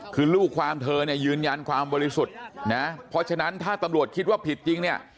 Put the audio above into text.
คือลูกความเธอเนี่ยยืนยันความบริสุทธิ์นะเพราะฉะนั้นถ้าตำรวจคิดว่าผิดจริงเนี่ย